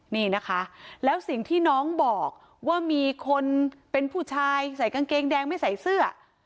นี่นะคะแล้วสิ่งที่น้องบอกว่ามีคนเป็นผู้ชายใส่กางเกงแดงไม่ใส่เสื้อ